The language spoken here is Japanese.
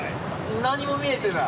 何も見えてない。